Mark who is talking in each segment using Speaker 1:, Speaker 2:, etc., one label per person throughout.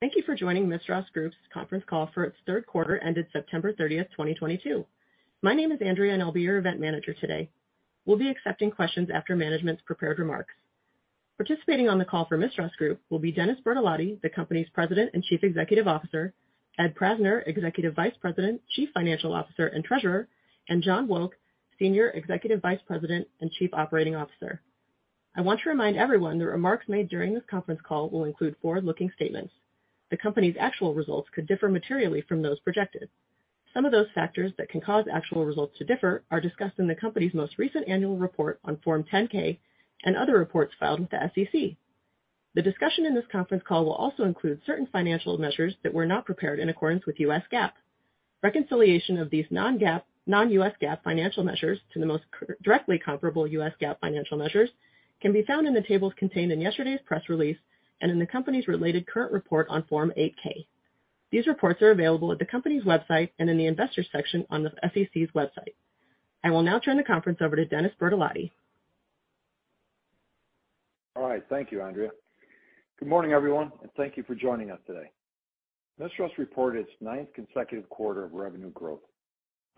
Speaker 1: Thank you for joining Mistras Group's conference call for its third quarter ended September thirtieth, 2022. My name is Andrea, and I'll be your event manager today. We'll be accepting questions after management's prepared remarks. Participating on the call for Mistras Group will be Dennis Bertolotti, the company's President and Chief Executive Officer, Ed Prajzner, Executive Vice President, Chief Financial Officer, and Treasurer, and Jon Wolk, Senior Executive Vice President and Chief Operating Officer. I want to remind everyone the remarks made during this conference call will include forward-looking statements. The company's actual results could differ materially from those projected. Some of those factors that can cause actual results to differ are discussed in the company's most recent annual report on Form 10-K and other reports filed with the SEC. The discussion in this conference call will also include certain financial measures that were not prepared in accordance with U.S. GAAP. Reconciliation of these non-U.S. GAAP financial measures to the most directly comparable U.S. GAAP financial measures can be found in the tables contained in yesterday's press release and in the company's related current report on Form 8-K. These reports are available at the company's website and in the investors section on the SEC's website. I will now turn the conference over to Dennis Bertolotti.
Speaker 2: All right. Thank you, Andrea. Good morning, everyone, and thank you for joining us today. Mistras reported its ninth consecutive quarter of revenue growth.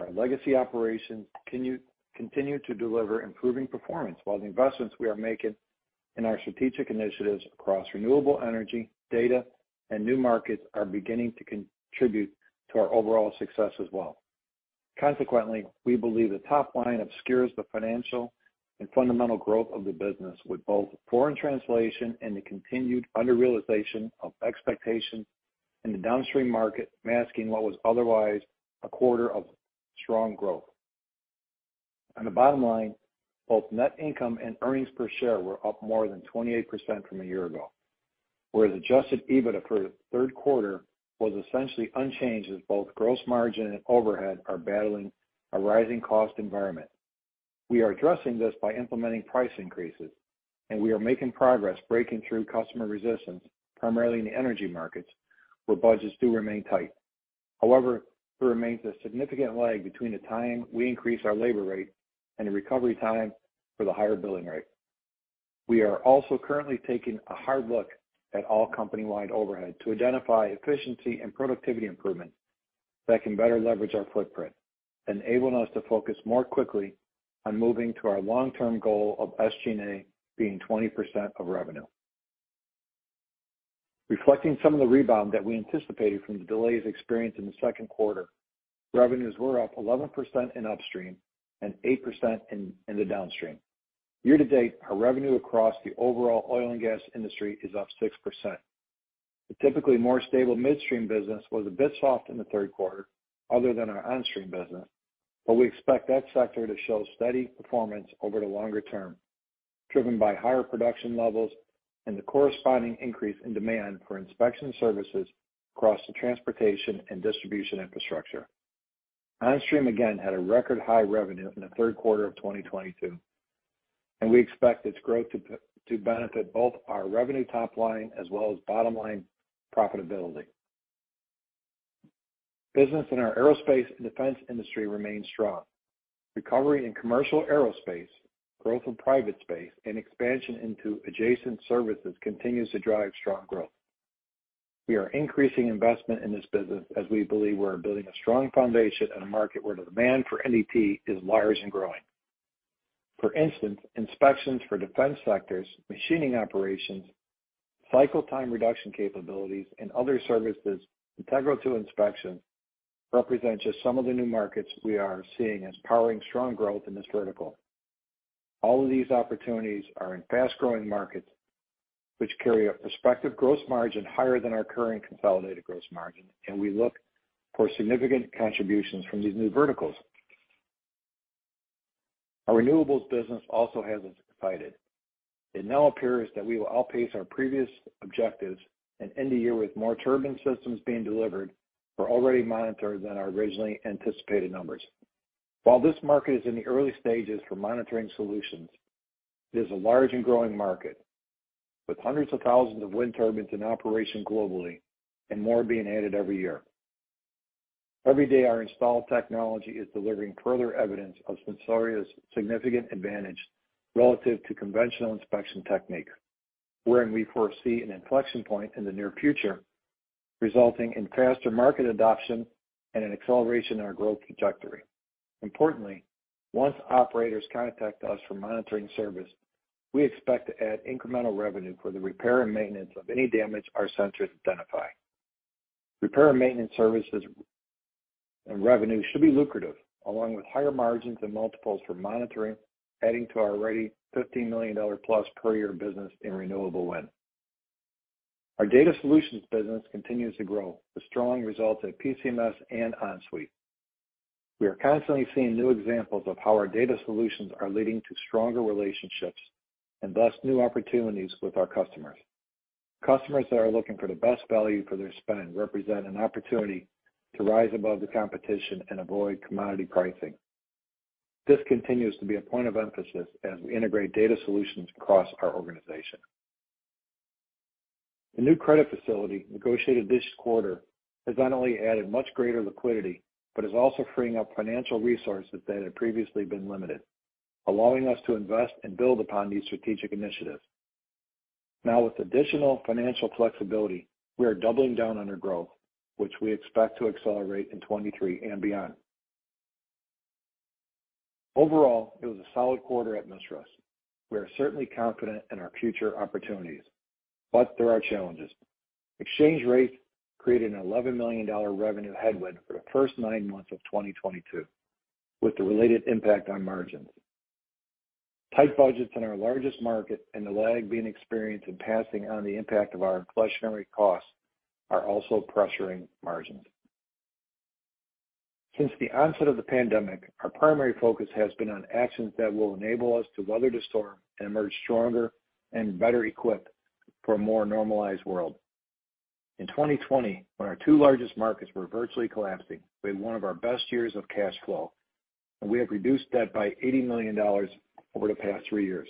Speaker 2: Our legacy operations continue to deliver improving performance, while the investments we are making in our strategic initiatives across renewable energy, data, and new markets are beginning to contribute to our overall success as well. Consequently, we believe the top line obscures the financial and fundamental growth of the business with both foreign translation and the continued under-realization of expectations in the downstream market, masking what was otherwise a quarter of strong growth. On the bottom line, both net income and earnings per share were up more than 28% from a year ago, whereas adjusted EBITDA for the third quarter was essentially unchanged, as both gross margin and overhead are battling a rising cost environment. We are addressing this by implementing price increases, and we are making progress breaking through customer resistance, primarily in the energy markets, where budgets do remain tight. However, there remains a significant lag between the time we increase our labor rate and the recovery time for the higher billing rate. We are also currently taking a hard look at all company-wide overhead to identify efficiency and productivity improvements that can better leverage our footprint, enabling us to focus more quickly on moving to our long-term goal of SG&A being 20% of revenue. Reflecting some of the rebound that we anticipated from the delays experienced in the second quarter, revenues were up 11% in upstream and 8% in the downstream. Year to date, our revenue across the overall oil and gas industry is up 6%. The typically more stable midstream business was a bit soft in the third quarter, other than our Onstream business, but we expect that sector to show steady performance over the longer term, driven by higher production levels and the corresponding increase in demand for inspection services across the transportation and distribution infrastructure. Onstream, again, had a record high revenue in the third quarter of 2022, and we expect its growth to benefit both our revenue top line as well as bottom-line profitability. Business in our aerospace and defense industry remains strong. Recovery in commercial aerospace, growth in private space, and expansion into adjacent services continues to drive strong growth. We are increasing investment in this business as we believe we're building a strong foundation in a market where the demand for NDT is large and growing. For instance, inspections for defense sectors, machining operations, cycle time reduction capabilities, and other services integral to inspection represent just some of the new markets we are seeing as powering strong growth in this vertical. All of these opportunities are in fast-growing markets which carry a prospective gross margin higher than our current consolidated gross margin, and we look for significant contributions from these new verticals. Our renewables business also has us excited. It now appears that we will outpace our previous objectives and end the year with more turbine systems being delivered for early monitoring than our originally anticipated numbers. While this market is in the early stages for monitoring solutions, it is a large and growing market, with hundreds of thousands of wind turbines in operation globally and more being added every year. Every day, our installed technology is delivering further evidence of Sensoria's significant advantage relative to conventional inspection techniques, wherein we foresee an inflection point in the near future resulting in faster market adoption and an acceleration in our growth trajectory. Importantly, once operators contact us for monitoring service, we expect to add incremental revenue for the repair and maintenance of any damage our sensors identify. Repair and maintenance services and revenue should be lucrative, along with higher margins and multiples for monitoring, adding to our already $50 million plus per year business in renewable wind. Our data solutions business continues to grow with strong results at PCMS and OneSuite. We are constantly seeing new examples of how our data solutions are leading to stronger relationships and thus new opportunities with our customers. Customers that are looking for the best value for their spend represent an opportunity to rise above the competition and avoid commodity pricing. This continues to be a point of emphasis as we integrate data solutions across our organization. The new credit facility negotiated this quarter has not only added much greater liquidity but is also freeing up financial resources that had previously been limited. Allowing us to invest and build upon these strategic initiatives. Now with additional financial flexibility, we are doubling down on our growth, which we expect to accelerate in 2023 and beyond. Overall, it was a solid quarter at Mistras. We are certainly confident in our future opportunities, but there are challenges. Exchange rates created an $11 million revenue headwind for the first nine months of 2022, with the related impact on margins. Tight budgets in our largest market and the lag being experienced in passing on the impact of our inflationary costs are also pressuring margins. Since the onset of the pandemic, our primary focus has been on actions that will enable us to weather the storm and emerge stronger and better equipped for a more normalized world. In 2020, when our two largest markets were virtually collapsing, we had one of our best years of cash flow, and we have reduced debt by $80 million over the past three years.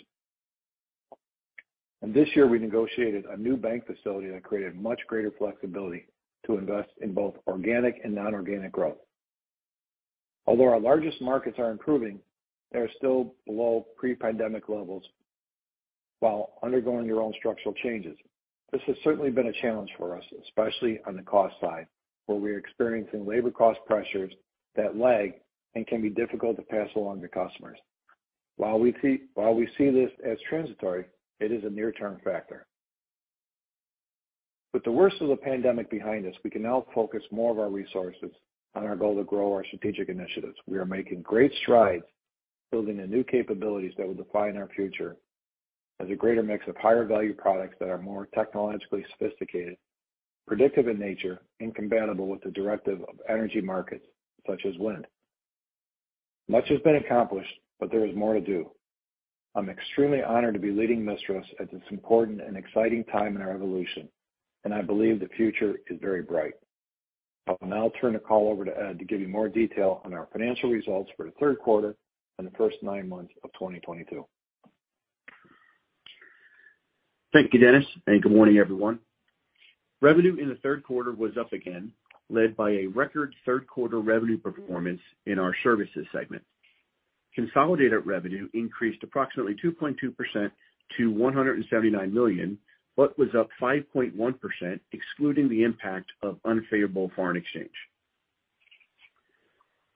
Speaker 2: This year, we negotiated a new bank facility that created much greater flexibility to invest in both organic and non-organic growth. Although our largest markets are improving, they are still below pre-pandemic levels while undergoing their own structural changes. This has certainly been a challenge for us, especially on the cost side, where we're experiencing labor cost pressures that lag and can be difficult to pass along to customers. While we see this as transitory, it is a near-term factor. With the worst of the pandemic behind us, we can now focus more of our resources on our goal to grow our strategic initiatives. We are making great strides building the new capabilities that will define our future as a greater mix of higher value products that are more technologically sophisticated, predictive in nature, and compatible with the direction of energy markets such as wind. Much has been accomplished, but there is more to do. I'm extremely honored to be leading Mistras at this important and exciting time in our evolution, and I believe the future is very bright. I will now turn the call over to Ed to give you more detail on our financial results for the third quarter and the first 9 months of 2022.
Speaker 3: Thank you, Dennis, and good morning, everyone. Revenue in the third quarter was up again, led by a record third quarter revenue performance in our services segment. Consolidated revenue increased approximately 2.2% to $179 million, but was up 5.1% excluding the impact of unfavorable foreign exchange.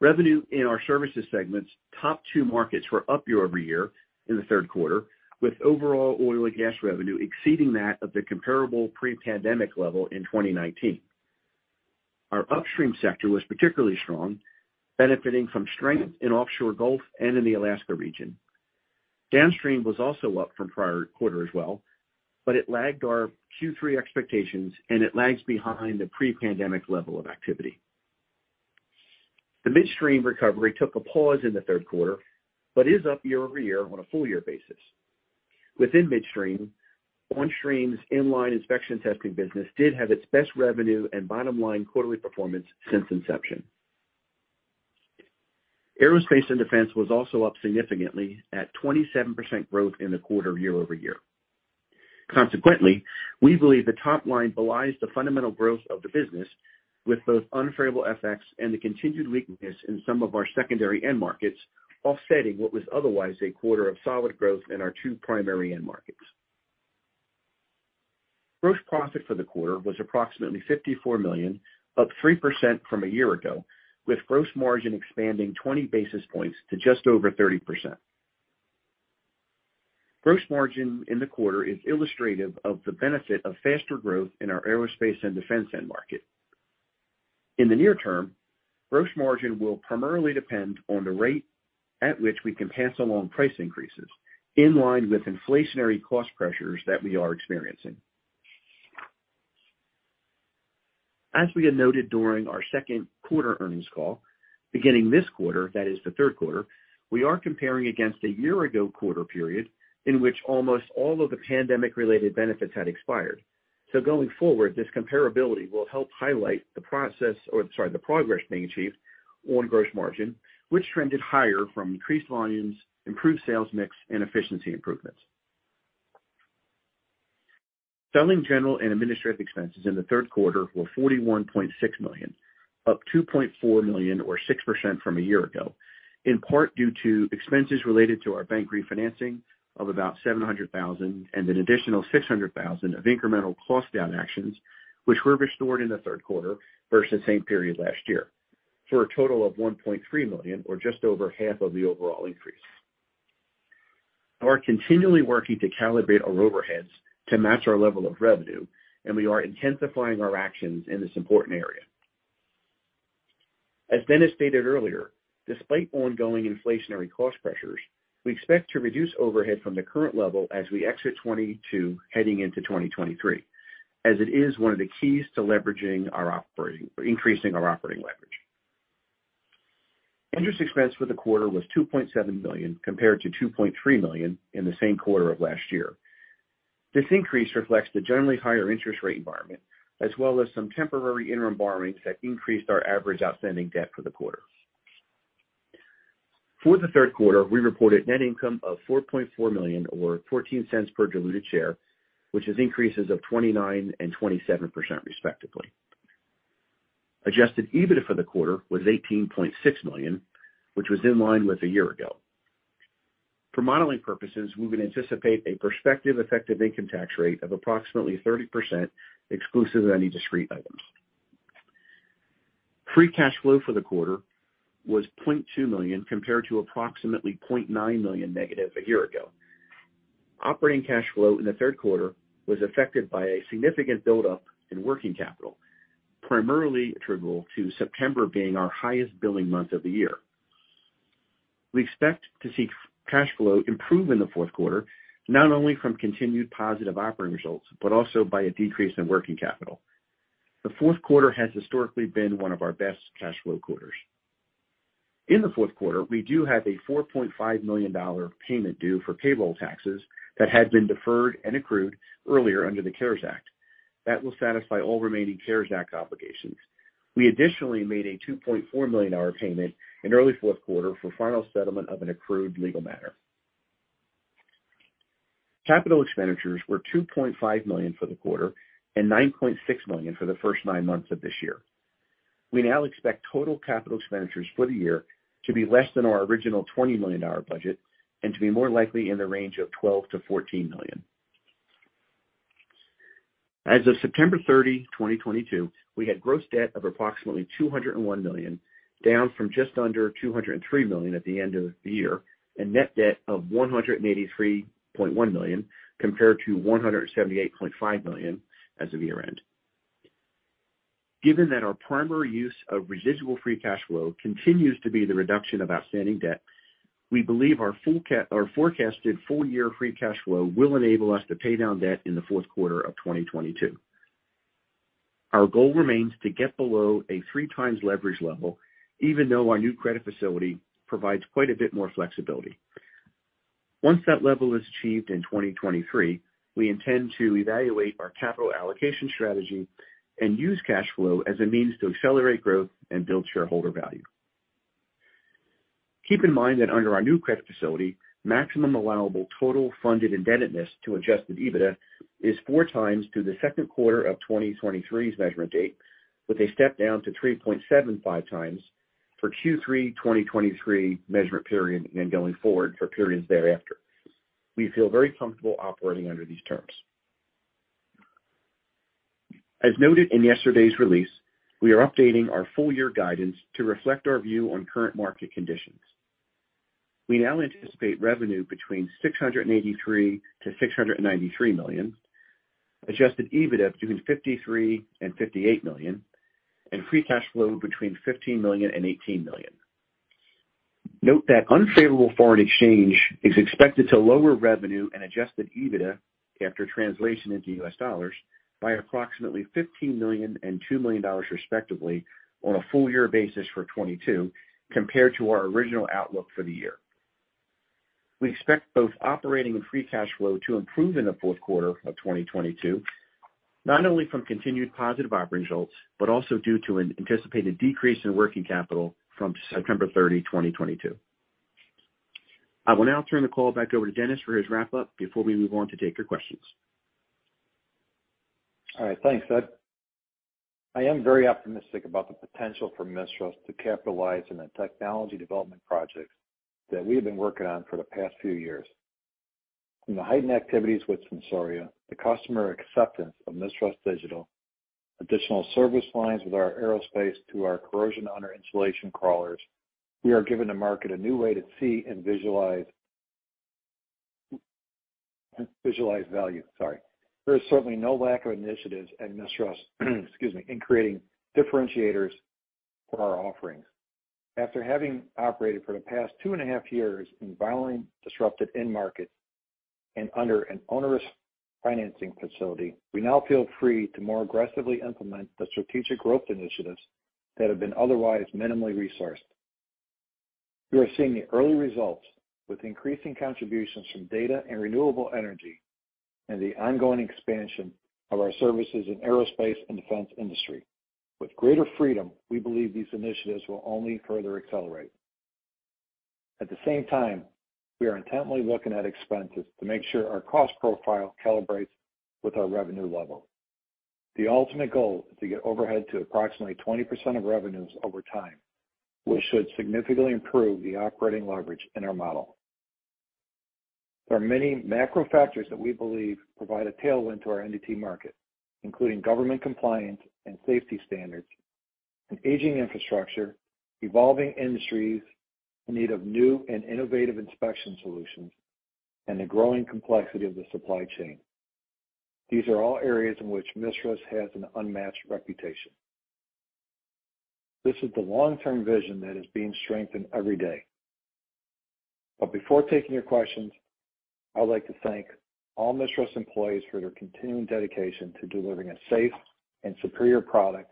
Speaker 3: Revenue in our services segment's top two markets were up year-over-year in the third quarter, with overall oil and gas revenue exceeding that of the comparable pre-pandemic level in 2019. Our upstream sector was particularly strong, benefiting from strength in offshore Gulf and in the Alaska region. Downstream was also up from prior quarter as well, but it lagged our Q3 expectations, and it lags behind the pre-pandemic level of activity. The midstream recovery took a pause in the third quarter, but is up year-over-year on a full year basis. Within midstream, Onstream's in-line inspection testing business did have its best revenue and bottom-line quarterly performance since inception. Aerospace and defense was also up significantly at 27% growth in the quarter year-over-year. Consequently, we believe the top line belies the fundamental growth of the business with both unfavorable FX and the continued weakness in some of our secondary end markets offsetting what was otherwise a quarter of solid growth in our two primary end markets. Gross profit for the quarter was approximately $54 million, up 3% from a year ago, with gross margin expanding 20 basis points to just over 30%. Gross margin in the quarter is illustrative of the benefit of faster growth in our aerospace and defense end market. In the near term, gross margin will primarily depend on the rate at which we can pass along price increases in line with inflationary cost pressures that we are experiencing. As we had noted during our second quarter earnings call, beginning this quarter, that is the third quarter, we are comparing against a year ago quarter period in which almost all of the pandemic-related benefits had expired. Going forward, this comparability will help highlight the progress being achieved on gross margin, which trended higher from increased volumes, improved sales mix, and efficiency improvements. Selling, general, and administrative expenses in the third quarter were $41.6 million, up $2.4 million or 6% from a year ago, in part due to expenses related to our bank refinancing of about $700,000 and an additional $600,000 of incremental cost down actions which were restored in the third quarter versus same period last year, for a total of $1.3 million or just over half of the overall increase. We are continually working to calibrate our overheads to match our level of revenue, and we are intensifying our actions in this important area. As Dennis stated earlier, despite ongoing inflationary cost pressures, we expect to reduce overhead from the current level as we exit 2022 heading into 2023, as it is one of the keys to leveraging our operating or increasing our operating leverage. Interest expense for the quarter was $2.7 million, compared to $2.3 million in the same quarter of last year. This increase reflects the generally higher interest rate environment, as well as some temporary interim borrowings that increased our average outstanding debt for the quarter. For the third quarter, we reported net income of $4.4 million or $0.14 per diluted share, which is increases of 29% and 27% respectively. Adjusted EBITDA for the quarter was $18.6 million, which was in line with a year ago. For modeling purposes, we would anticipate a prospective effective income tax rate of approximately 30% exclusive of any discrete items. Free cash flow for the quarter was $0.2 million compared to approximately -$0.9 million a year ago. Operating cash flow in the third quarter was affected by a significant buildup in working capital, primarily attributable to September being our highest billing month of the year. We expect to see cash flow improve in the fourth quarter, not only from continued positive operating results, but also by a decrease in working capital. The fourth quarter has historically been one of our best cash flow quarters. In the fourth quarter, we do have a $4.5 million payment due for payroll taxes that had been deferred and accrued earlier under the CARES Act. That will satisfy all remaining CARES Act obligations. We additionally made a $2.4 million payment in early fourth quarter for final settlement of an accrued legal matter. Capital expenditures were $2.5 million for the quarter and $9.6 million for the first nine months of this year. We now expect total capital expenditures for the year to be less than our original $20 million budget and to be more likely in the range of $12 million to $14 million. As of September 30, 2022, we had gross debt of approximately $201 million, down from just under $203 million at the end of the year, and net debt of $183.1 million compared to $178.5 million as of year-end. Given that our primary use of residual free cash flow continues to be the reduction of outstanding debt, we believe our forecasted full year free cash flow will enable us to pay down debt in the fourth quarter of 2022. Our goal remains to get below a 3x leverage level, even though our new credit facility provides quite a bit more flexibility. Once that level is achieved in 2023, we intend to evaluate our capital allocation strategy and use cash flow as a means to accelerate growth and build shareholder value. Keep in mind that under our new credit facility, maximum allowable total funded indebtedness to adjusted EBITDA is 4x through the second quarter of 2023's measurement date, with a step down to 3.75x for Q3 2023 measurement period and going forward for periods thereafter. We feel very comfortable operating under these terms. As noted in yesterday's release, we are updating our full year guidance to reflect our view on current market conditions. We now anticipate revenue between $683 million and $693 million, adjusted EBITDA between $53 million and $58 million, and free cash flow between $15 million and $18 million. Note that unfavorable foreign exchange is expected to lower revenue and adjusted EBITDA after translation into U.S. dollars by approximately $15 million and $2 million dollars respectively on a full year basis for 2022 compared to our original outlook for the year. We expect both operating and free cash flow to improve in the fourth quarter of 2022, not only from continued positive operating results, but also due to an anticipated decrease in working capital from September 30, 2022. I will now turn the call back over to Dennis for his wrap-up before we move on to take your questions.
Speaker 2: All right. Thanks, Ed. I am very optimistic about the potential for Mistras to capitalize on the technology development projects that we have been working on for the past few years. From the heightened activities with Sensoria, the customer acceptance of MISTRAS Digital, additional service lines with our aerospace to our corrosion under insulation crawlers, we are giving the market a new way to see and visualize value. Sorry. There is certainly no lack of initiatives at Mistras, excuse me, in creating differentiators for our offerings. After having operated for the past two and a half years in a violently disrupted end market and under an onerous financing facility, we now feel free to more aggressively implement the strategic growth initiatives that have been otherwise minimally resourced. We are seeing the early results with increasing contributions from data and renewable energy and the ongoing expansion of our services in aerospace and defense industry. With greater freedom, we believe these initiatives will only further accelerate. At the same time, we are intently looking at expenses to make sure our cost profile calibrates with our revenue level. The ultimate goal is to get overhead to approximately 20% of revenues over time, which should significantly improve the operating leverage in our model. There are many macro factors that we believe provide a tailwind to our NDT market, including government compliance and safety standards, an aging infrastructure, evolving industries in need of new and innovative inspection solutions, and the growing complexity of the supply chain. These are all areas in which Mistras has an unmatched reputation. This is the long-term vision that is being strengthened every day. before taking your questions, I would like to thank all Mistras employees for their continuing dedication to delivering a safe and superior product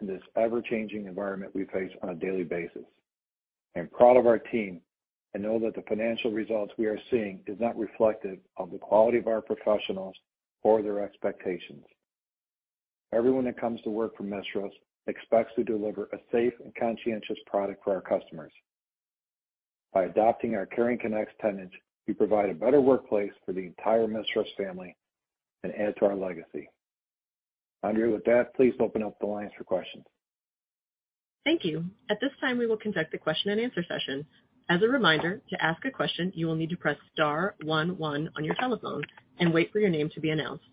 Speaker 2: in this ever-changing environment we face on a daily basis. I am proud of our team and know that the financial results we are seeing is not reflective of the quality of our professionals or their expectations. Everyone that comes to work for Mistras expects to deliver a safe and conscientious product for our customers. By adopting our Caring Connects tenet, we provide a better workplace for the entire Mistras family and add to our legacy. Andrea, with that, please open up the lines for questions.
Speaker 1: Thank you. At this time, we will conduct a question-and-answer session. As a reminder, to ask a question, you will need to press star one one on your telephone and wait for your name to be announced.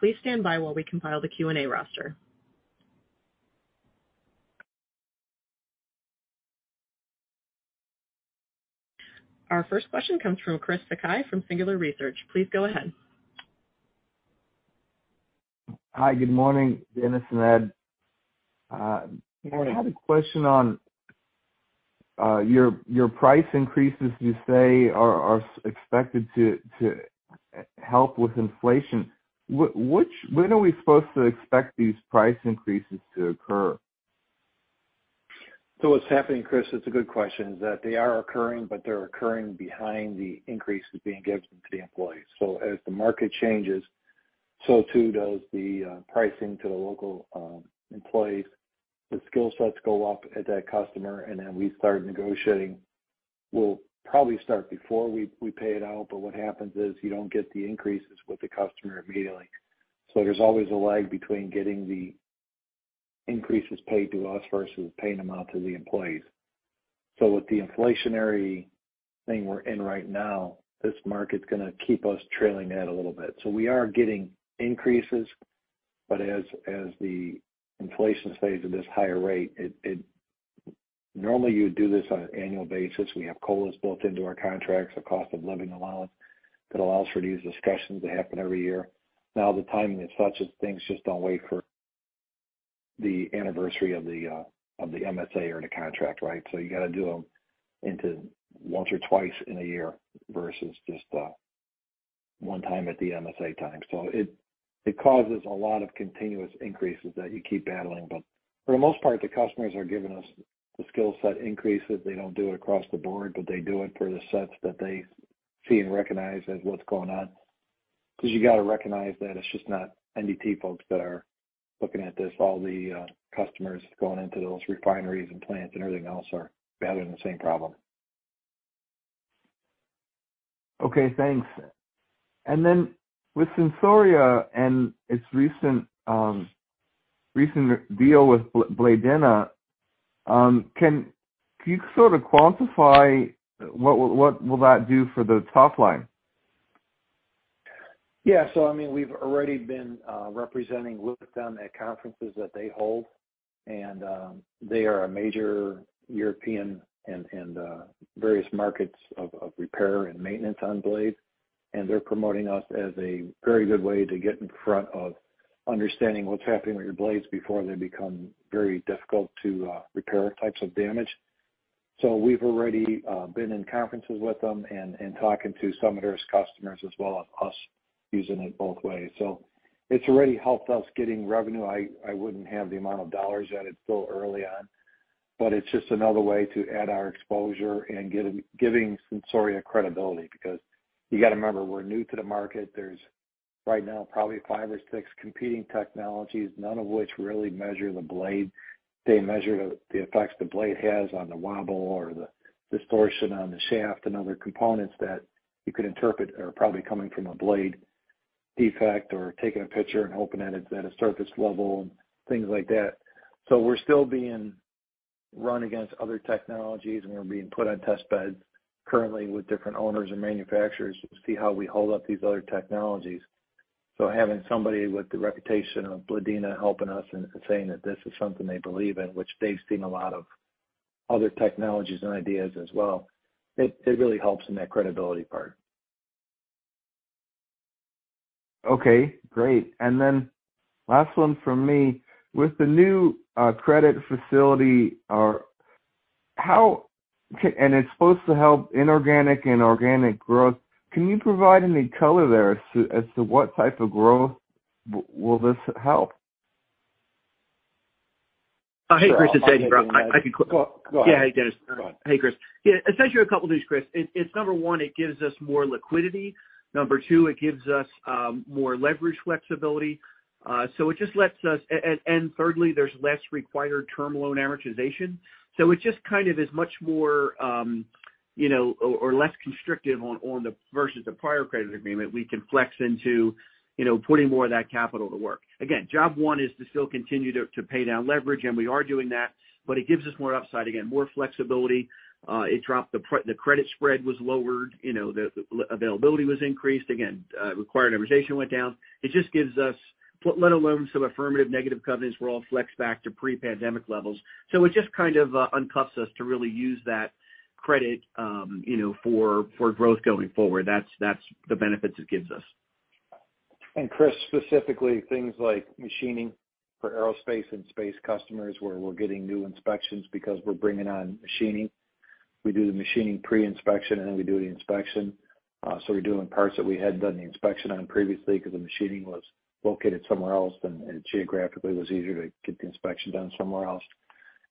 Speaker 1: Please stand by while we compile the Q&A roster. Our first question comes from Chris Sakai from Singular Research. Please go ahead.
Speaker 4: Hi, good morning, Dennis and Ed.
Speaker 2: Good morning.
Speaker 4: I had a question on your price increases you say are expected to help with inflation. When are we supposed to expect these price increases to occur?
Speaker 2: What's happening, Chris, it's a good question, is that they are occurring, but they're occurring behind the increases being given to the employees. As the market changes, so too does the pricing to the local employees. The skill sets go up at that customer, and then we start negotiating. We'll probably start before we pay it out, but what happens is you don't get the increases with the customer immediately. There's always a lag between getting the increases paid to us versus paying them out to the employees. With the inflationary thing we're in right now, this market's gonna keep us trailing that a little bit. We are getting increases, but as the inflation stays at this higher rate, normally you would do this on an annual basis. We have COLAs built into our contracts, the cost of living allowance, that allows for these discussions to happen every year. Now, the timing is such that things just don't wait for the anniversary of the MSA or the contract, right? You gotta do them once or twice a year versus just one time at the MSA time. It causes a lot of continuous increases that you keep battling. For the most part, the customers are giving us the skill set increases. They don't do it across the board, but they do it for the sets that they see and recognize as what's going on. Cause you gotta recognize that it's just not NDT folks that are looking at this. All the customers going into those refineries and plants and everything else are battling the same problem.
Speaker 4: Okay, thanks. With Sensoria and its recent deal with Bladena, can you sort of quantify what that will do for the top line?
Speaker 2: Yeah. I mean, we've already been representing with them at conferences that they hold, and they are a major European and various markets of repair and maintenance on blade. They're promoting us as a very good way to get in front of understanding what's happening with your blades before they become very difficult to repair types of damage. We've already been in conferences with them and talking to some of their customers as well as us using it both ways. It's already helped us getting revenue. I wouldn't have the amount of dollars yet. It's still early on, but it's just another way to add our exposure and giving Sensoria credibility because you gotta remember, we're new to the market. There's right now probably five or six competing technologies, none of which really measure the blade. They measure the effects the blade has on the wobble or the distortion on the shaft and other components that you could interpret are probably coming from a blade defect or taking a picture and hoping that it's at a surface level and things like that. We're still being run against other technologies, and we're being put on test beds currently with different owners and manufacturers to see how we hold up these other technologies. Having somebody with the reputation of Bladena helping us and saying that this is something they believe in, which they've seen a lot of other technologies and ideas as well, it really helps in that credibility part.
Speaker 4: Okay, great. Last one from me. With the new credit facility, it's supposed to help inorganic and organic growth. Can you provide any color there as to what type of growth will this help?
Speaker 3: Oh, hey, Chris. It's Ed Prajzner. I can.
Speaker 2: Go ahead.
Speaker 3: Yeah. Hey, Dennis.
Speaker 2: Go on.
Speaker 3: Hey, Chris. Yeah, essentially a couple things, Chris. It's number one, it gives us more liquidity. Number two, it gives us more leverage flexibility. So it just lets us. And thirdly, there's less required term loan amortization. So it just kind of is much more, you know, or less constrictive on the versus the prior credit agreement. We can flex into, you know, putting more of that capital to work. Again, job one is to still continue to pay down leverage, and we are doing that, but it gives us more upside. Again, more flexibility. It dropped the credit spread was lowered. You know, the availability was increased. Again, required amortization went down. It just gives us, let alone some affirmative negative covenants were all flexed back to pre-pandemic levels. It just kind of uncuffs us to really use that credit, you know, for growth going forward. That's the benefits it gives us.
Speaker 2: Chris, specifically things like machining for aerospace and space customers where we're getting new inspections because we're bringing on machining. We do the machining pre-inspection, and then we do the inspection. We're doing parts that we hadn't done the inspection on previously because the machining was located somewhere else and geographically was easier to get the inspection done somewhere else.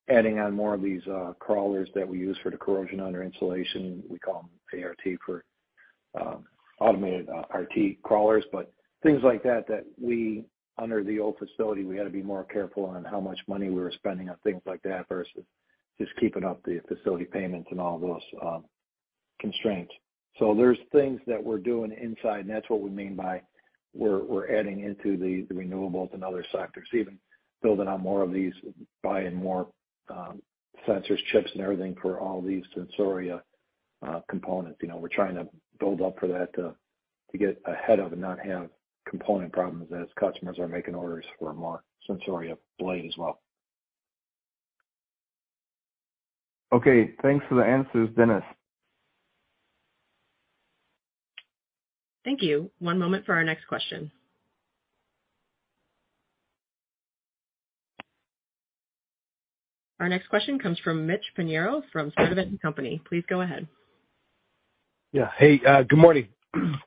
Speaker 2: Adding on more of these crawlers that we use for the corrosion under insulation, we call them ART, automated RT crawlers. Things like that under the old facility, we had to be more careful on how much money we were spending on things like that versus just keeping up the facility payments and all those constraints. There's things that we're doing inside, and that's what we mean by we're adding into the renewables and other sectors, even building out more of these, buying more sensors, chips and everything for all these Sensoria components. You know, we're trying to build up for that to get ahead of and not have component problems as customers are making orders for more Sensoria blade as well.
Speaker 4: Okay, thanks for the answers, Dennis.
Speaker 1: Thank you. One moment for our next question. Our next question comes from Mitchell Pinheiro from Sturdivant & Co. Please go ahead.
Speaker 5: Yeah. Hey, good morning.
Speaker 2: Good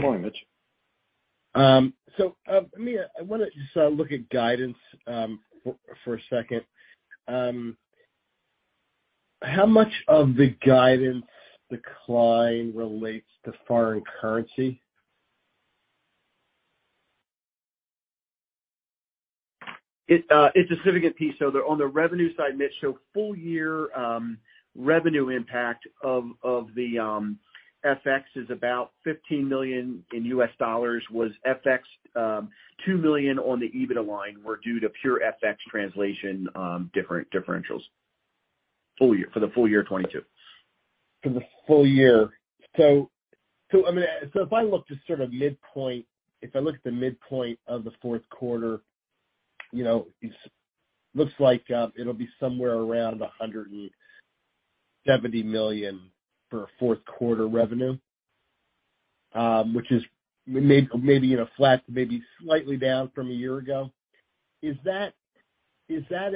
Speaker 2: morning, Mitch.
Speaker 5: I wanna just look at guidance for a second. How much of the guidance decline relates to foreign currency?
Speaker 2: It's a significant piece. On the revenue side, Mitchell, full year revenue impact of the FX is about $15 million in U.S. dollars. FX was $2 million on the EBITDA line were due to pure FX translation differentials. For the full year 2022.
Speaker 5: For the full year. I mean, if I look at the midpoint of the fourth quarter, you know, it looks like it'll be somewhere around $170 million for fourth quarter revenue, which is maybe, you know, flat, maybe slightly down from a year ago. Is that? Is there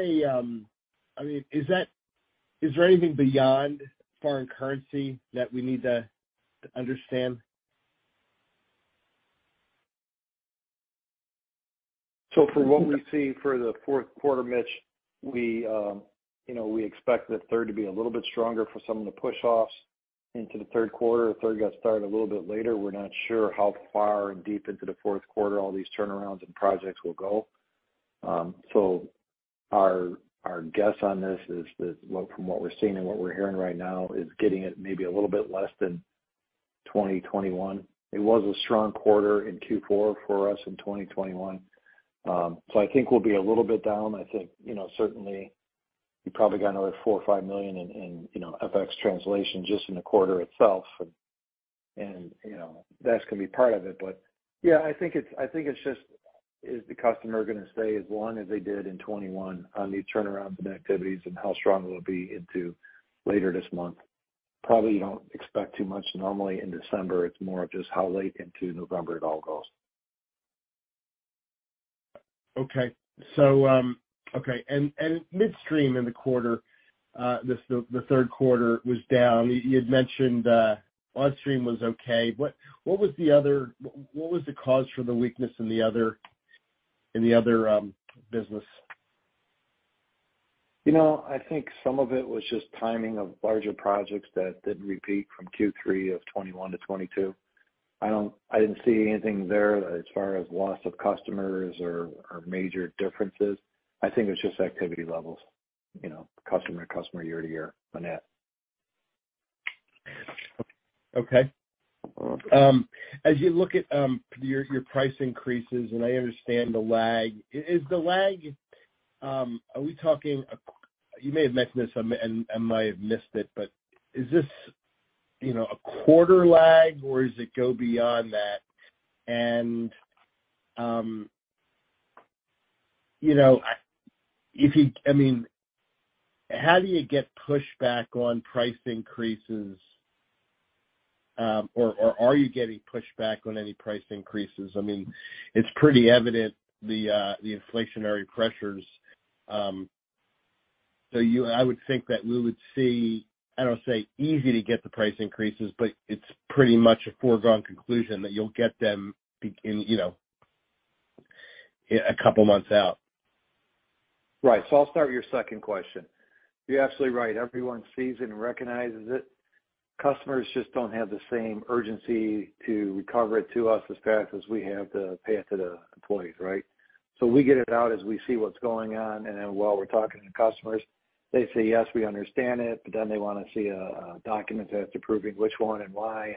Speaker 5: anything beyond foreign currency that we need to understand?
Speaker 2: From what we see for the fourth quarter, Mitch, we expect the third to be a little bit stronger for some of the push-offs into the third quarter. Third got started a little bit later. We're not sure how far and deep into the fourth quarter all these turnarounds and projects will go. Our guess on this is that from what we're seeing and what we're hearing right now is getting it maybe a little bit less than 2021. It was a strong quarter in Q4 for us in 2021. I think we'll be a little bit down. I think certainly you probably got another $4 million-$5 million in FX translation just in the quarter itself. That's gonna be part of it. Yeah, I think it's just, is the customer gonna stay as long as they did in 2021 on these turnarounds and activities and how strong it will be into later this month? Probably you don't expect too much normally in December. It's more of just how late into November it all goes.
Speaker 5: Okay. Okay. Midstream in the quarter, the third quarter was down. You had mentioned upstream was okay. What was the cause for the weakness in the other business?
Speaker 2: You know, I think some of it was just timing of larger projects that didn't repeat from Q3 of 2021 to 2022. I didn't see anything there as far as loss of customers or major differences. I think it's just activity levels, you know, customer to customer, year to year on that.
Speaker 5: Okay. As you look at your price increases, and I understand the lag, is the lag, are we talking? You may have mentioned this, and I might have missed it, but is this, you know, a quarter lag, or does it go beyond that? You know, I mean, how do you get pushback on price increases? Or are you getting pushback on any price increases? I mean, it's pretty evident the inflationary pressures. I would think that we would see, I don't want to say easy to get the price increases, but it's pretty much a foregone conclusion that you'll get them be, you know, a couple months out.
Speaker 2: Right. I'll start with your second question. You're absolutely right. Everyone sees it and recognizes it. Customers just don't have the same urgency to recover it to us as fast as we have to pay it to the employees, right? We get it out as we see what's going on, and then while we're talking to customers, they say, "Yes, we understand it," but then they wanna see a document that's approving which one and why.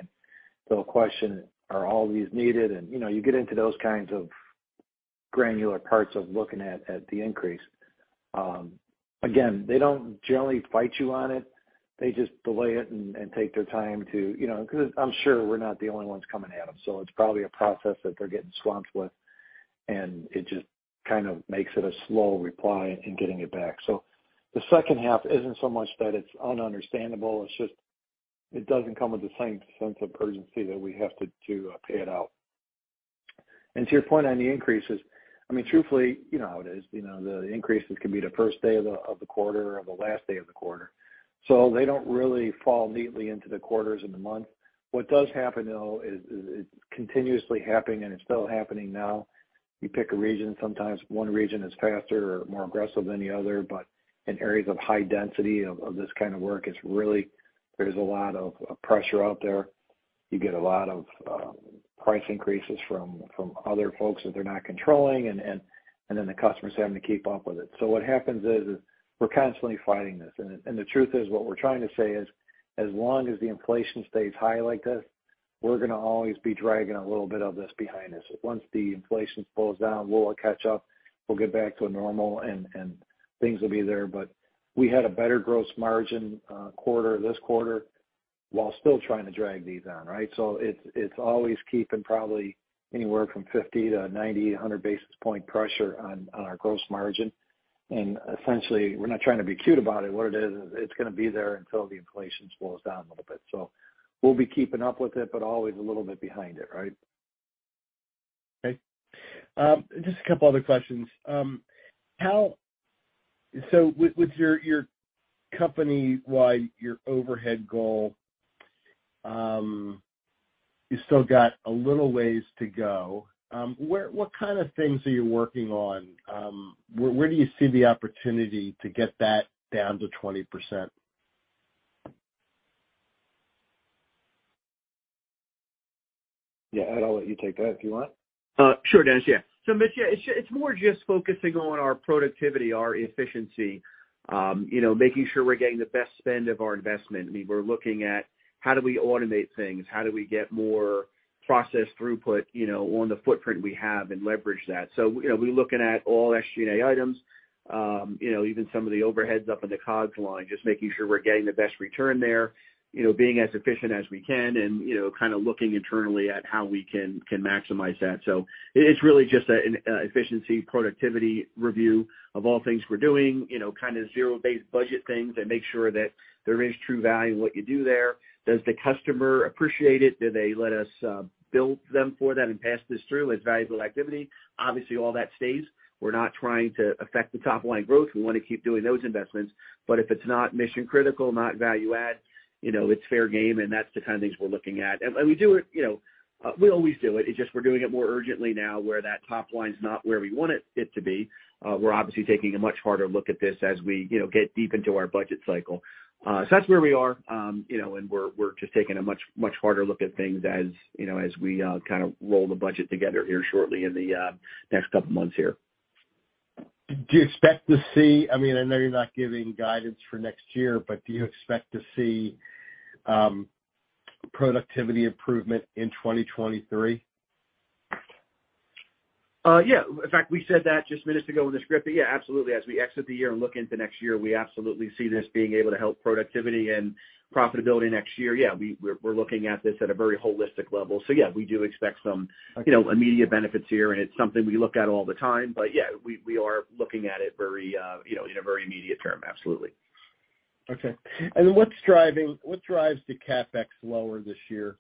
Speaker 2: They'll question, are all these needed? You know, you get into those kinds of granular parts of looking at the increase. Again, they don't generally fight you on it. They just delay it and take their time to, you know, cause I'm sure we're not the only ones coming at them. It's probably a process that they're getting swamped with, and it just kind of makes it a slow reply in getting it back. The second half isn't so much that it's ununderstandable, it's just it doesn't come with the same sense of urgency that we have to pay it out. To your point on the increases, I mean, truthfully, you know how it is. You know, the increases can be the first day of the quarter or the last day of the quarter. They don't really fall neatly into the quarters and the month. What does happen, though, is it continuously happening, and it's still happening now. You pick a region, sometimes one region is faster or more aggressive than the other. There's a lot of pressure out there. You get a lot of price increases from other folks that they're not controlling, and then the customer's having to keep up with it. What happens is we're constantly fighting this. The truth is, what we're trying to say is, as long as the inflation stays high like this, we're gonna always be dragging a little bit of this behind us. Once the inflation slows down, we'll catch up, we'll get back to a normal, and things will be there. We had a better gross margin quarter this quarter while still trying to drag these on, right? It's always keeping probably anywhere from 50-100 basis point pressure on our gross margin. Essentially, we're not trying to be cute about it. What it is it's gonna be there until the inflation slows down a little bit. We'll be keeping up with it, but always a little bit behind it, right?
Speaker 5: Okay. Just a couple other questions. With your company-wide overhead goal, you still got a little ways to go. What kind of things are you working on? Where do you see the opportunity to get that down to 20%?
Speaker 2: Yeah, Ed, I'll let you take that if you want.
Speaker 3: Sure, Dennis. Yeah. Mitch, yeah, it's more just focusing on our productivity, our efficiency, you know, making sure we're getting the best spend of our investment. I mean, we're looking at how do we automate things? How do we get more process throughput, you know, on the footprint we have and leverage that? You know, we're looking at all SG&A items, you know, even some of the overheads up in the COGS line, just making sure we're getting the best return there, you know, being as efficient as we can and, you know, kinda looking internally at how we can maximize that. It's really just an efficiency, productivity review of all things we're doing, you know, kind of zero-based budget things and make sure that there is true value in what you do there. Does the customer appreciate it? Do they let us bill them for that and pass this through as valuable activity? Obviously, all that stays. We're not trying to affect the top line growth. We wanna keep doing those investments. If it's not mission critical, not value add, you know, it's fair game, and that's the kind of things we're looking at. We do it, you know, we always do it. It's just we're doing it more urgently now, where that top line's not where we want it to be. We're obviously taking a much harder look at this as we, you know, get deep into our budget cycle. That's where we are, you know, and we're just taking a much harder look at things as, you know, as we kind of roll the budget together here shortly in the next couple months here.
Speaker 5: Do you expect to see? I mean, I know you're not giving guidance for next year, but do you expect to see productivity improvement in 2023?
Speaker 3: Yeah. In fact, we said that just minutes ago in the script. Yeah, absolutely. As we exit the year and look into next year, we absolutely see this being able to help productivity and profitability next year. Yeah, we're looking at this at a very holistic level. Yeah, we do expect some.
Speaker 5: Okay.
Speaker 3: You know, immediate benefits here, and it's something we look at all the time. Yeah, we are looking at it very, you know, in a very immediate term. Absolutely.
Speaker 5: Okay. What drives the CapEx lower this year?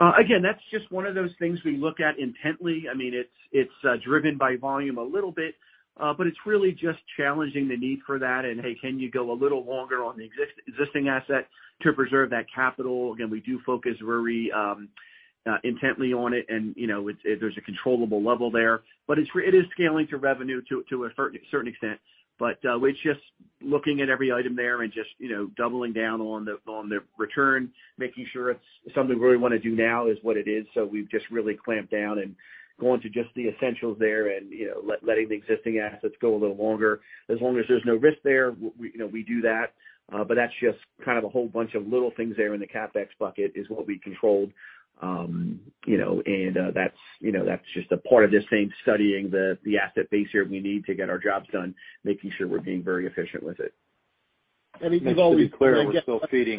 Speaker 3: Again, that's just one of those things we look at intently. I mean, it's driven by volume a little bit, but it's really just challenging the need for that and, hey, can you go a little longer on the existing asset to preserve that capital? Again, we do focus very intently on it and, you know, there's a controllable level there. It is scaling to revenue to a certain extent. It's just looking at every item there and just, you know, doubling down on the return, making sure it's something we really wanna do now is what it is. We've just really clamped down and going to just the essentials there and, you know, letting the existing assets go a little longer. As long as there's no risk there, we, you know, we do that. That's just kind of a whole bunch of little things there in the CapEx bucket is what we controlled. That's, you know, that's just a part of the same studying the asset base here we need to get our jobs done, making sure we're being very efficient with it.
Speaker 5: If there's always.
Speaker 2: Just to be clear,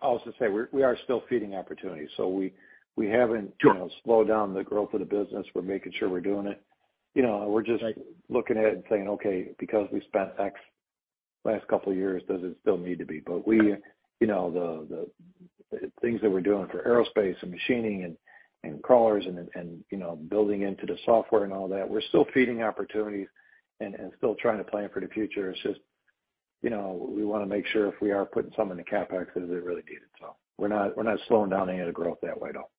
Speaker 2: I'll just say we are still feeding opportunities. We haven't-
Speaker 3: Sure.
Speaker 2: You know, slowed down the growth of the business. We're making sure we're doing it. You know, we're just.
Speaker 3: Right.
Speaker 2: Looking at it and saying, "Okay, because we spent X last couple years, does it still need to be?" We, you know, the things that we're doing for aerospace and machining and crawlers and, you know, building into the software and all that, we're still feeding opportunities and still trying to plan for the future. It's just, you know, we wanna make sure if we are putting some in the CapEx, is because they're really needed. We're not slowing down any of the growth that way at all.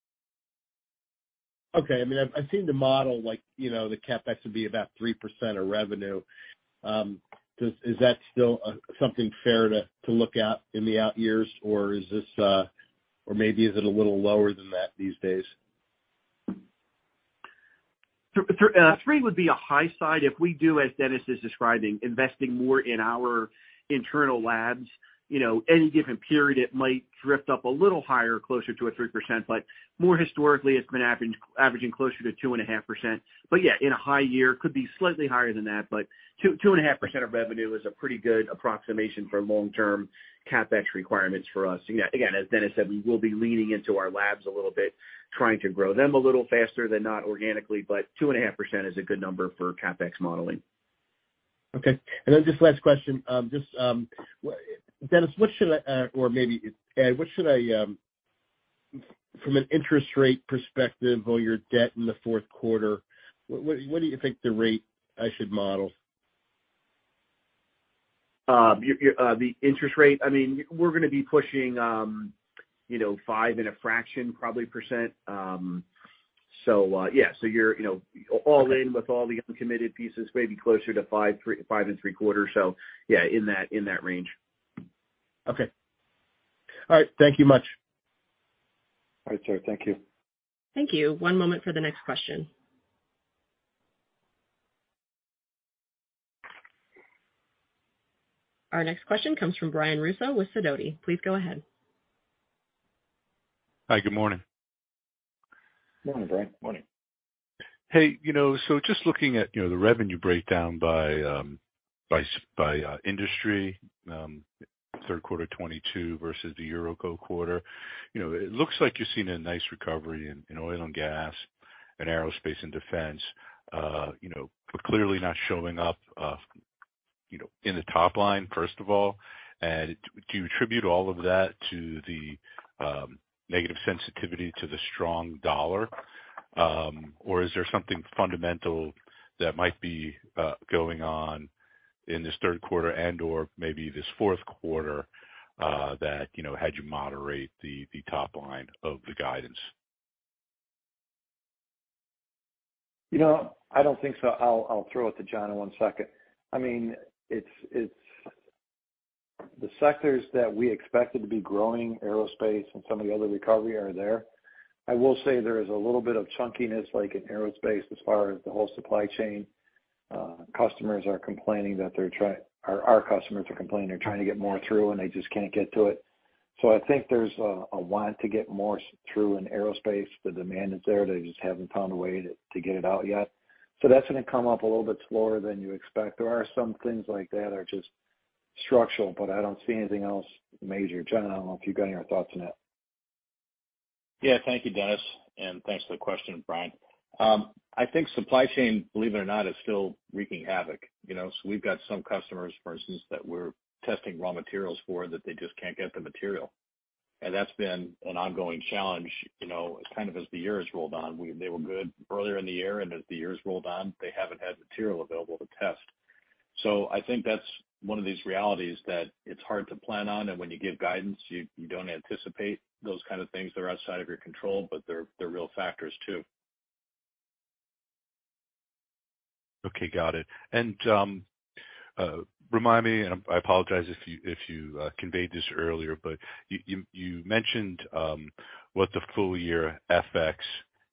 Speaker 5: Okay. I mean, I've seen the model, like, you know, the CapEx would be about 3% of revenue. Is that still something fair to look out in the out years? Or is this or maybe is it a little lower than that these days?
Speaker 3: Three would be a high side. If we do, as Dennis is describing, investing more in our internal labs, you know, any given period, it might drift up a little higher, closer to a 3%. More historically, it's been averaging closer to 2.5%. Yeah, in a high year, could be slightly higher than that. Two, 2.5% of revenue is a pretty good approximation for long-term CapEx requirements for us. Again, as Dennis said, we will be leaning into our labs a little bit, trying to grow them a little faster, not organically, but 2.5% is a good number for CapEx modeling.
Speaker 5: Okay. Just last question. Just Dennis, what should I or maybe Ed, what should I from an interest rate perspective on your debt in the fourth quarter, what do you think the rate I should model?
Speaker 3: The interest rate, I mean, we're gonna be pushing, you know, 5 and a fraction probably %. Yeah, so you're, you know, all in with all the uncommitted pieces, maybe closer to 5.75. Yeah, in that range.
Speaker 5: Okay. All right. Thank you much.
Speaker 2: All right, sir. Thank you.
Speaker 1: Thank you. One moment for the next question. Our next question comes from Brian Russo with Sidoti & Company. Please go ahead.
Speaker 6: Hi, good morning.
Speaker 2: Morning, Brian.
Speaker 3: Morning.
Speaker 6: Hey, you know, so just looking at, you know, the revenue breakdown by industry, third quarter 2022 versus the year ago quarter, you know, it looks like you're seeing a nice recovery in, you know, oil and gas and aerospace and defense, you know, but clearly not showing up, you know, in the top line, first of all. Do you attribute all of that to the negative sensitivity to the strong dollar? Or is there something fundamental that might be going on in this third quarter and/or maybe this fourth quarter, that, you know, had you moderate the top line of the guidance?
Speaker 2: You know, I don't think so. I'll throw it to Jon in one second. I mean, it's. The sectors that we expected to be growing aerospace and some of the other recovery are there. I will say there is a little bit of chunkiness, like in aerospace as far as the whole supply chain. Our customers are complaining they're trying to get more through and they just can't get to it. So I think there's a want to get more through in aerospace. The demand is there. They just haven't found a way to get it out yet. So that's gonna come up a little bit slower than you expect. There are some things like that are just structural, but I don't see anything else major. Jon, I don't know if you've got any thoughts on that.
Speaker 7: Yeah, thank you, Dennis, and thanks for the question, Brian. I think supply chain, believe it or not, is still wreaking havoc, you know. We've got some customers, for instance, that we're testing raw materials for that they just can't get the material. That's been an ongoing challenge, you know, kind of as the years rolled on. They were good earlier in the year, and as the years rolled on, they haven't had material available to test. I think that's one of these realities that it's hard to plan on. When you give guidance, you don't anticipate those kind of things that are outside of your control, but they're real factors too.
Speaker 6: Okay, got it. Remind me, and I apologize if you conveyed this earlier, but you mentioned what the full year FX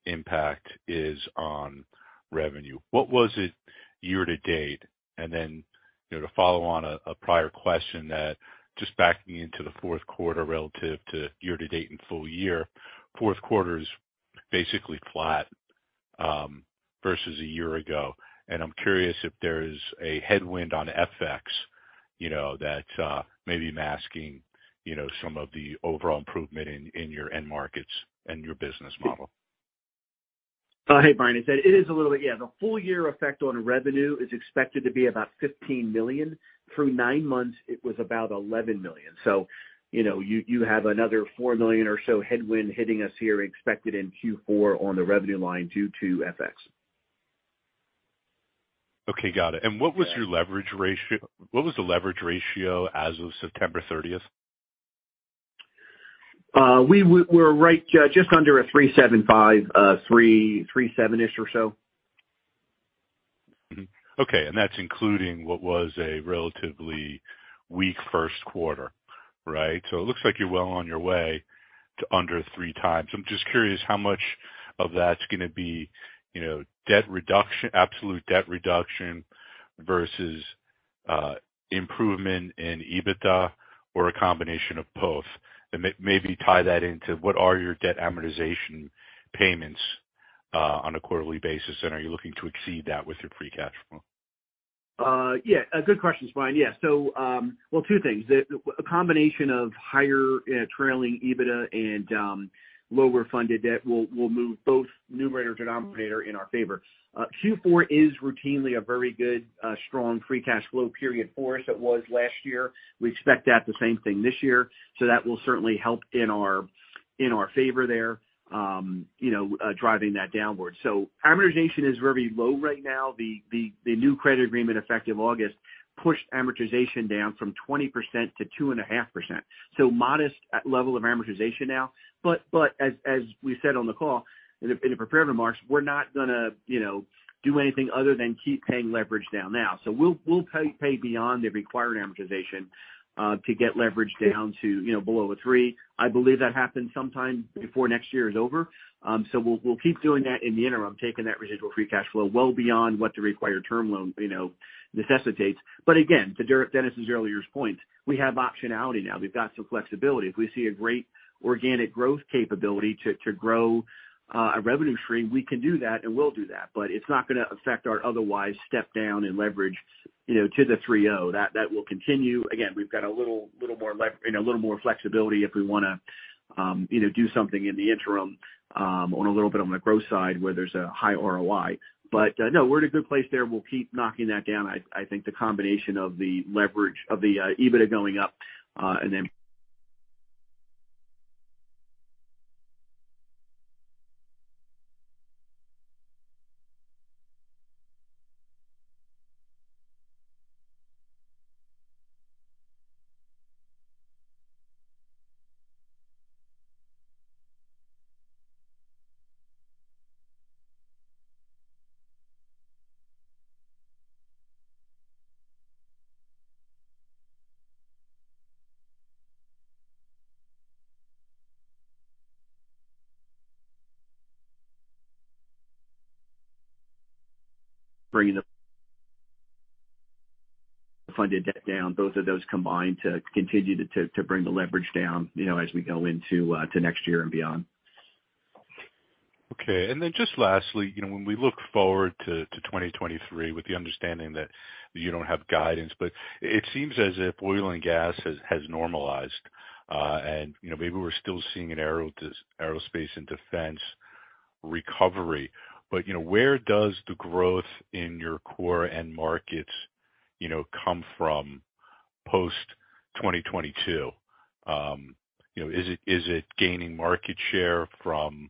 Speaker 6: impact is on revenue. What was it year to date? Then, you know, to follow on a prior question that just backing into the fourth quarter relative to year to date and full year, fourth quarter's basically flat versus a year ago. I'm curious if there is a headwind on FX, you know, that may be masking, you know, some of the overall improvement in your end markets and your business model.
Speaker 3: Hey, Brian. It's a little bit, yeah. The full year effect on revenue is expected to be about $15 million. Through nine months, it was about $11 million. You know, you have another $4 million or so headwind hitting us here expected in Q4 on the revenue line due to FX.
Speaker 6: Okay, got it. What was the leverage ratio as of September 30?
Speaker 3: We're right just under a 375, 337-ish or so.
Speaker 6: Okay, that's including what was a relatively weak first quarter, right? It looks like you're well on your way to under 3 times. I'm just curious how much of that's gonna be, you know, debt reduction, absolute debt reduction versus, improvement in EBITDA or a combination of both. Maybe tie that into what are your debt amortization payments, on a quarterly basis, and are you looking to exceed that with your free cash flow?
Speaker 3: Yeah, a good question, Brian. Yeah. Well, two things. A combination of higher trailing EBITDA and lower funded debt will move both numerator and denominator in our favor. Q4 is routinely a very good strong free cash flow period for us. It was last year. We expect to have the same thing this year, that will certainly help in our favor there, you know, driving that downward. Amortization is very low right now. The new credit agreement effective August pushed amortization down from 20% to 2.5%. Modest level of amortization now. As we said on the call in the prepared remarks, we're not gonna, you know, do anything other than keep paying leverage down now. We'll pay beyond the required amortization to get leverage down to, you know, below a 3. I believe that happens sometime before next year is over. We'll keep doing that in the interim, taking that residual free cash flow well beyond what the required term loan, you know, necessitates. Again, to Dennis's earlier point, we have optionality now. We've got some flexibility. If we see a great organic growth capability to grow a revenue stream, we can do that and will do that, but it's not gonna affect our otherwise step down in leverage, you know, to the 3.0. That will continue. Again, we've got a little more flexibility if we wanna, you know, do something in the interim, on a little bit on the growth side where there's a high ROI. But no, we're in a good place there. We'll keep knocking that down. I think the combination of the leverage and the EBITDA going up, and bringing the funded debt down. Both of those combined to continue to bring the leverage down, you know, as we go into next year and beyond.
Speaker 6: Okay. Just lastly, you know, when we look forward to 2023 with the understanding that you don't have guidance, but it seems as if oil and gas has normalized, and, you know, maybe we're still seeing an aerospace and defense recovery, but, you know, where does the growth in your core end markets, you know, come from post-2022? You know, is it gaining market share from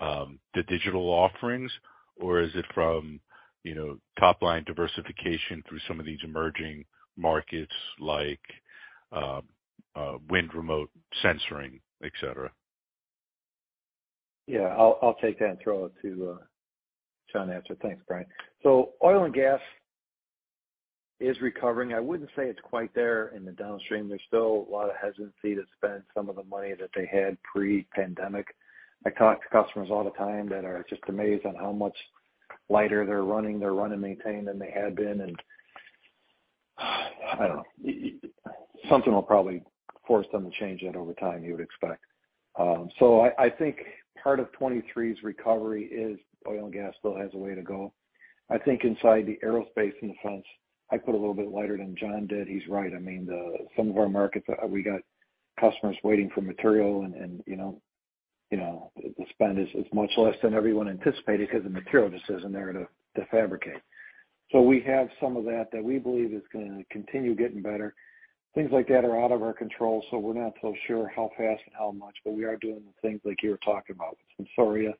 Speaker 6: the digital offerings or is it from, you know, top-line diversification through some of these emerging markets like wind remote sensing, et cetera?
Speaker 2: Yeah, I'll take that and throw it to Jon to answer. Thanks, Brian. Oil and gas is recovering. I wouldn't say it's quite there in the downstream. There's still a lot of hesitancy to spend some of the money that they had pre-pandemic. I talk to customers all the time that are just amazed on how much lighter they're running their run and maintain than they had been. I don't know. Something will probably force them to change that over time, you would expect. I think part of 2023's recovery is oil and gas still has a way to go. I think inside the aerospace and defense, I put a little bit lighter than Jon did. He's right. I mean, the Some of our markets, we got customers waiting for material and you know, the spend is much less than everyone anticipated because the material just isn't there to fabricate. We have some of that we believe is gonna continue getting better. Things like that are out of our control, so we're not so sure how fast and how much, but we are doing the things like you were talking about with Sensoria and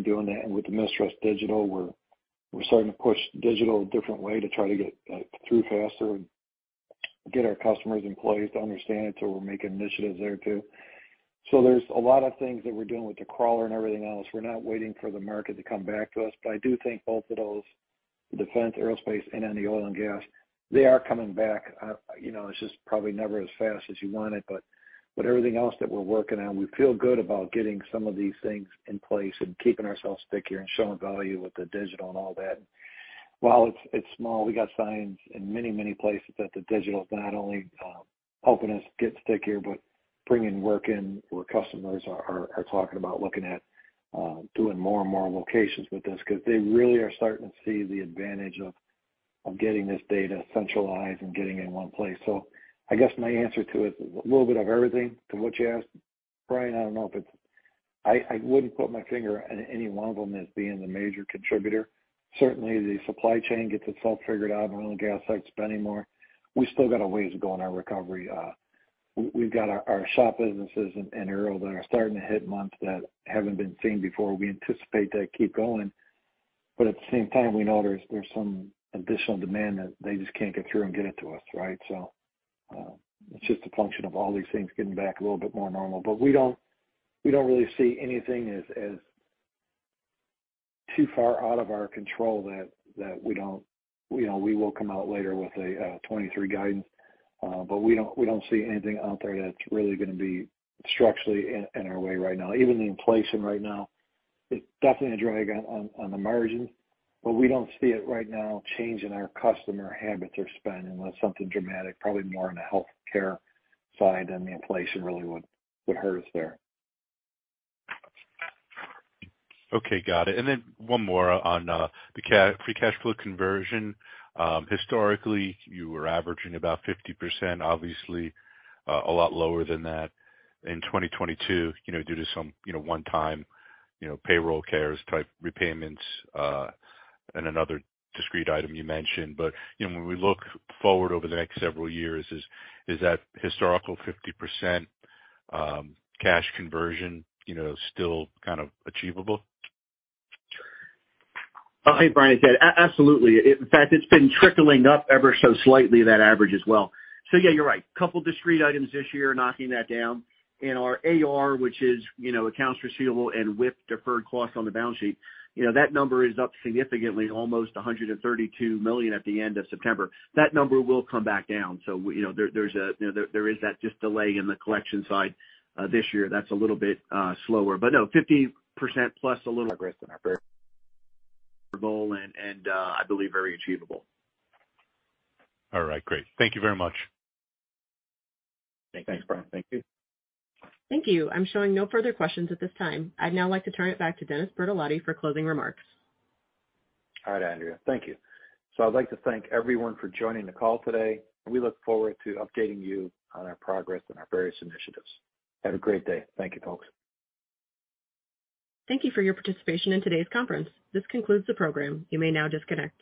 Speaker 2: doing that. With the MISTRAS Digital, we're starting to push digital a different way to try to get through faster and get our customers and employees to understand it. We're making initiatives there too. There's a lot of things that we're doing with the crawler and everything else. We're not waiting for the market to come back to us, but I do think both of those, the defense aerospace and in the oil and gas, they are coming back. You know, it's just probably never as fast as you want it. With everything else that we're working on, we feel good about getting some of these things in place and keeping ourselves stickier and showing value with the digital and all that. While it's small, we got signs in many, many places that the digital is not only helping us get stickier, but bringing work in where customers are talking about looking at doing more and more locations with us because they really are starting to see the advantage of getting this data centralized and getting in one place. I guess my answer to it is a little bit of everything to what you asked, Brian. I don't know if it's. I wouldn't put my finger on any one of them as being the major contributor. Certainly, the supply chain gets itself figured out, and oil and gas starts spending more. We still got a ways to go in our recovery. We've got our shop businesses in aero that are starting to hit months that haven't been seen before. We anticipate that keep going, but at the same time we know there's some additional demand that they just can't get through and get it to us, right? It's just a function of all these things getting back a little bit more normal. We don't really see anything as too far out of our control that we don't. You know, we will come out later with a 2023 guidance, but we don't see anything out there that's really gonna be structurally in our way right now. Even the inflation right now is definitely a drag on the margin, but we don't see it right now changing our customer habits or spend unless something dramatic, probably more on the healthcare side than the inflation really would hurt us there.
Speaker 6: Okay, got it. One more on the free cash flow conversion. Historically, you were averaging about 50%, obviously a lot lower than that in 2022, you know, due to some you know, one-time you know, payroll CARES-type repayments and another discrete item you mentioned. You know, when we look forward over the next several years, is that historical 50% cash conversion you know, still kind of achievable?
Speaker 3: I think Brian said absolutely. In fact, it's been trickling up ever so slightly that average as well. Yeah, you're right. Couple discrete items this year knocking that down. Our AR, which is, you know, accounts receivable and WIP deferred costs on the balance sheet, you know, that number is up significantly, almost $132 million at the end of September. That number will come back down. You know, there is just a delay in the collection side this year that's a little bit slower. No, 50% plus a little progress in our favor. I believe very achievable.
Speaker 6: All right, great. Thank you very much.
Speaker 2: Thanks, Brian.
Speaker 3: Thank you.
Speaker 1: Thank you. I'm showing no further questions at this time. I'd now like to turn it back to Dennis Bertolotti for closing remarks.
Speaker 2: All right, Andrea. Thank you. I'd like to thank everyone for joining the call today, and we look forward to updating you on our progress and our various initiatives. Have a great day. Thank you, folks.
Speaker 1: Thank you for your participation in today's conference. This concludes the program. You may now disconnect.